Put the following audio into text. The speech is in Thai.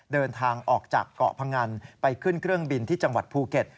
เดินทางออกจากเกาะพงันไปขึ้นเครื่องบินที่จังหวัดภูเก็ต